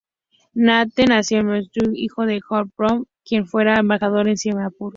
Nate nació en Massachusetts, hijo de Harold Thayer, quien fuera embajador en Singapur.